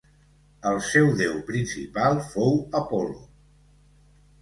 El seu déu principal fou Apol·lo.